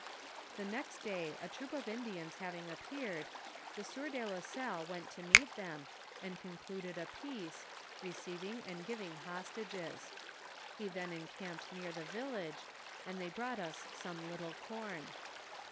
The next day a troop of Indians having appeared, the sieur de la Salle went to meet them, and concluded a peace, receiving and giving hostages. He then encamped near their village, and they brought us some little corn.